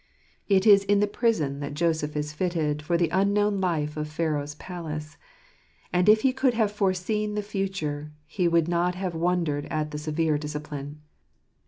It is in the prison that Joseph is fitted for the unknown life of Pharaoh's palace ; and if he could have foreseen the future, he would not have wondered at the severe discipline.